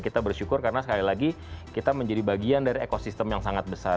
kita bersyukur karena sekali lagi kita menjadi bagian dari ekosistem yang sangat besar